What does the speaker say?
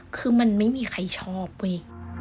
คือมันไม่มีใครชอบเว้ย